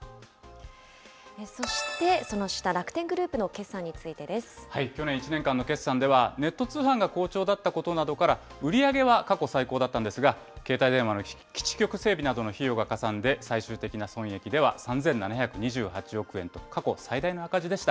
そして、その下、楽天グルー去年１年間の決算では、ネット通販が好調だったことなどから、売り上げは過去最高だったんですが、携帯電話の基地局整備などの費用がかさんで、最終的な損益では３７２８億円と、過去最大の赤字でした。